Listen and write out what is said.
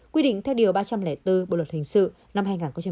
quy định theo điều ba trăm linh bốn bộ luật hình sự năm hai nghìn một mươi năm